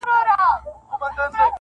ما خو داسي نه ویل چي خان به نه سې,